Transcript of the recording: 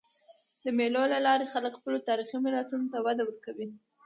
د مېلو له لاري خلک خپلو تاریخي میراثونو ته وده ورکوي.